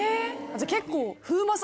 じゃあ結構。